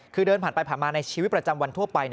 คือเดินผ่านไปผ่านมาในชีวิตประจำวันทั่วไป